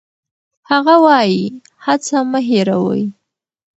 هغه وايي، هڅه مه هېروئ.